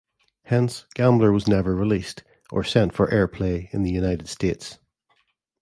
Hence "Gambler" was never released, or sent for airplay in the United States.